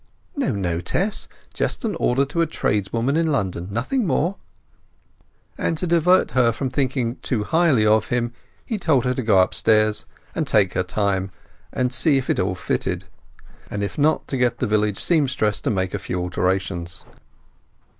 "No, no, Tess; just an order to a tradeswoman in London—nothing more." And to divert her from thinking too highly of him, he told her to go upstairs, and take her time, and see if it all fitted; and, if not, to get the village sempstress to make a few alterations.